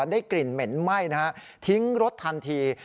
ได้กลิ่นเหม็นไหม้นะฮะทิ้งรถทันที